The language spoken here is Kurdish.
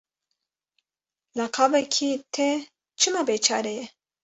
Laqabekî te çima bêçare ye?